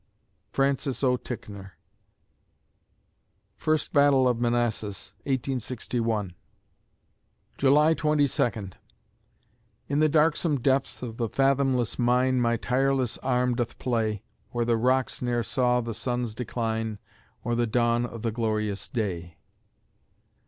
FRANCIS O. TICKNOR First Battle of Manassas, 1861 July Twenty Second In the darksome depths of the fathomless mine My tireless arm doth play, Where the rocks never saw the sun's decline, Or the dawn of the glorious day.